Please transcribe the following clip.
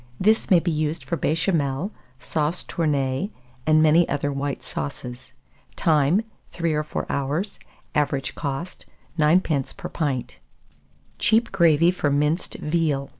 This may be used for Béchamel, sauce tournée, and many other white sauces. Time. 3 or 4 hours. Average cost, 9d. per pint. CHEAP GRAVY FOR MINCED VEAL.